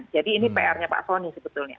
jadi ini pr nya pak doni sebetulnya